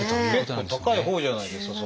結構高いほうじゃないですか。